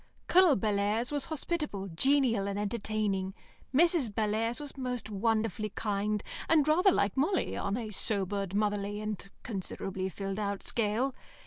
Colonel Bellairs was hospitable, genial, and entertaining; Mrs. Bellairs was most wonderfully kind, and rather like Molly on a sobered, motherly, and considerably filled out scale.